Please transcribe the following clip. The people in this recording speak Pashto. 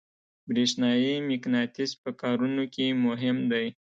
برېښنایي مقناطیس په کارونو کې مهم دی.